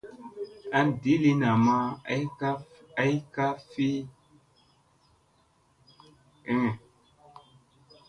An di lii namma ay ka ki fok jew maŋ suu vun da ɗisu.